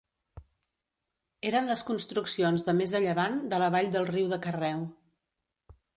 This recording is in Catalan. Eren les construccions de més a llevant de la vall del riu de Carreu.